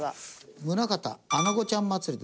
「宗像あなごちゃん祭り」